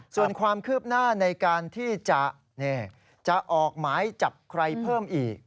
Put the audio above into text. ส่วนความคืบหน้าในการที่จะออกหมายจับใครเพิ่มอีก